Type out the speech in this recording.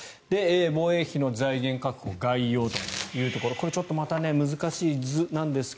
防衛費の財源確保概要というところちょっとまた難しい図なんですが